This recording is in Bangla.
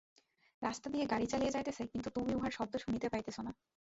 রাস্তা দিয়া গাড়ী চলিয়া যাইতেছে, কিন্তু তুমি উহার শব্দ শুনিতে পাইতেছ না।